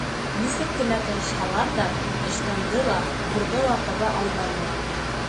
Нисек кенә тырышһалар ҙа, ыштанды ла, бурҙы ла таба алманылар.